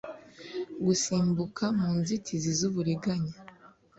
gusimbuka mu nzitizi zuburiganya,